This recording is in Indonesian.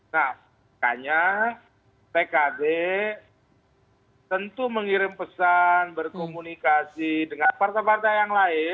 nah makanya pkb tentu mengirim pesan berkomunikasi dengan partai partai yang lain